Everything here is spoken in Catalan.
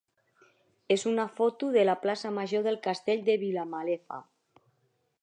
és una foto de la plaça major del Castell de Vilamalefa.